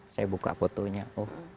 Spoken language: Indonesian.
saya buka fotonya oh